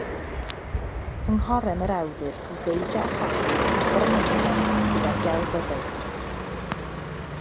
Cynghorem yr awdur i beidio â cholli rhagor o amser gyda'r gelfyddyd.